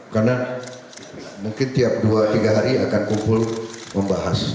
karena mungkin tiap dua tiga hari akan kumpul membahas